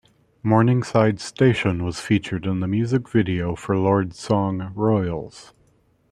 Morningside Station was featured in the music video for Lorde's song "Royals".